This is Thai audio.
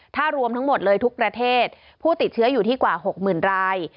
ถ้ารวมทั้งหมดเลยทุกประเทศผู้ติดเชื้ออยู่ที่กว่า๖๐๐๐ราย